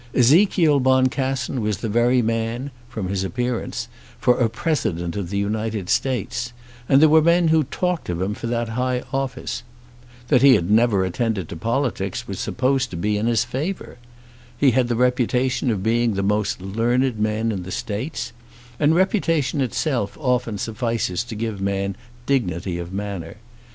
Ezekiel Boncassen was the very man, from his appearance, for a President of the United States; and there were men who talked of him for that high office. That he had never attended to politics was supposed to be in his favour. He had the reputation of being the most learned man in the States, and reputation itself often suffices to give a man dignity of manner.